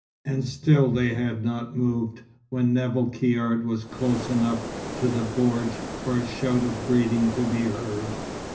And still they had not moved, when Nevill Caird was close enough to the bordj for a shout of greeting to be heard.